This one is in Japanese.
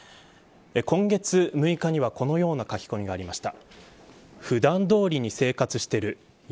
今月６日には、このような書き込みがありました。